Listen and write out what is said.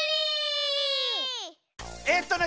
えっとね